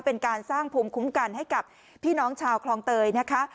เป็นการสร้างภูมิคุ้มกันให้กับพี่น้องชาวคลองเตยนะคะ